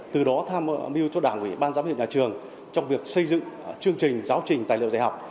từ đó tham mưu cho đảng ủy ban giám hiệu nhà trường trong việc xây dựng chương trình giáo trình tài liệu dạy học